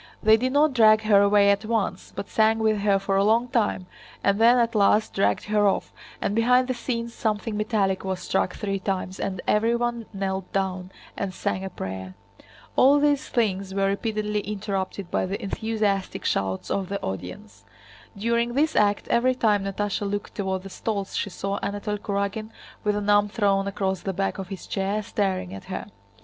They did not drag her away at once, but sang with her for a long time and then at last dragged her off, and behind the scenes something metallic was struck three times and everyone knelt down and sang a prayer. All these things were repeatedly interrupted by the enthusiastic shouts of the audience. During this act every time Natásha looked toward the stalls she saw Anatole Kurágin with an arm thrown across the back of his chair, staring at her.